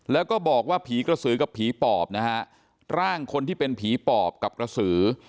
แล้วก็บอกว่าผีกระสือกับผีปอบนะฮะร่างคนที่เป็นผีปอบกับกระสือ